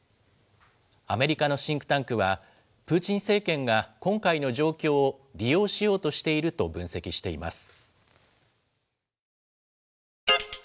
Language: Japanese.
アメリカのシンクタンクは、プーチン政権が今回の状況を利用しようとしていると分析しています。